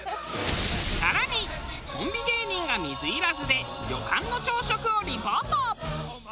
更にコンビ芸人が水入らずで旅館の朝食をリポート。